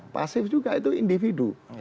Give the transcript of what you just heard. pasif juga itu individu